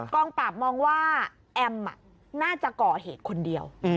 กองปราบมองว่าแอมน่าจะก่อเหตุคนเดียว